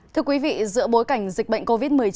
thưa quý vị giữa bối cảnh dịch bệnh covid một mươi chín